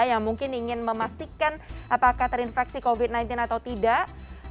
yang mungkin ingin memastikan apakah terinfeksi covid sembilan belas atau tidak